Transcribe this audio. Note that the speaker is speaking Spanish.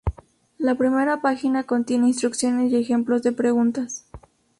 La primera página contiene instrucciones y ejemplos de preguntas.